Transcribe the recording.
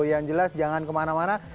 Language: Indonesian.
yang jelas jangan kemana mana